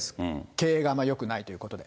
経営があまりよくないということで。